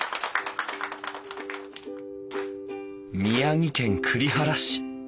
宮城県栗原市